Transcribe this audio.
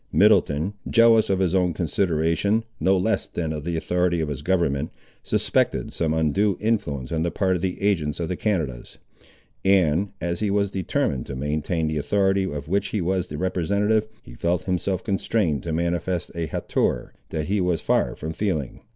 Middleton, jealous of his own consideration no less than of the authority of his government, suspected some undue influence on the part of the agents of the Canadas; and, as he was determined to maintain the authority of which he was the representative, he felt himself constrained to manifest a hauteur, that he was far from feeling.